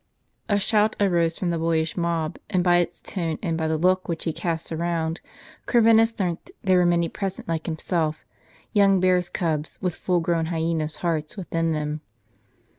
A shout arose from the boyish mob ; and by its tone, and by the look which he cast around, Corvinus learnt there were many jDresent like liimself — young bears' cubs, with full grown hyenas' hearts within tkem.